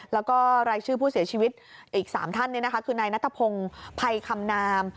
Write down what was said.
แล้วก็รายชื่อผู้เสียชีวิตอีก๓ท่านเนี่ยนะคะคือนายนัตกพงษ์ไพขำนาม